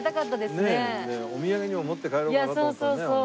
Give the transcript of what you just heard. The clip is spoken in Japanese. お土産にも持って帰ろうかなと思ったのにね。